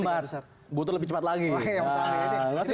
ini peringatan untuk masawi sebenarnya masawi